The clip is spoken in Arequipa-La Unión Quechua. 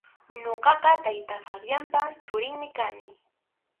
Ñuqaqa tayta Fabianpa churinmi kani.